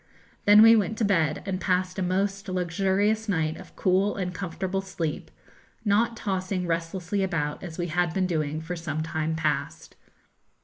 Then we went to bed, and passed a most luxurious night of cool and comfortable sleep, not tossing restlessly about, as we had been doing for some time past.